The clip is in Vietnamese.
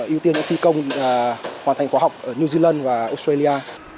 ưu tiên những phi công hoàn thành khóa học ở new zealand và australia